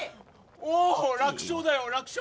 おお楽勝だよ楽勝！